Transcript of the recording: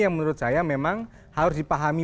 yang menurut saya memang harus dipahami